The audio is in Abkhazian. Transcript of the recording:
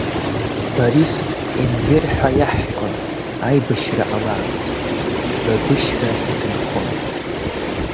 Борис Енвер ҳәа иаҳҳәон аибашьра ҟалаанӡа, Бабышьра дынхон.